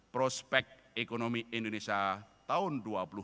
prospek ekonomi indonesia tahun dua ribu dua puluh